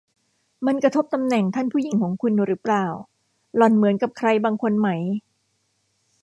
มันกระทบตำแหน่งท่านผู้หญิงของคุณหรือเปล่า หล่อนเหมือนกับใครบางคนไหม